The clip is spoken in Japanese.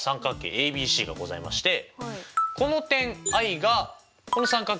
ＡＢＣがございましてこの点Ｉがこの三角形の内心です。